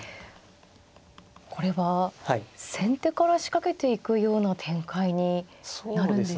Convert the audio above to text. これは先手から仕掛けていくような展開になるんですか。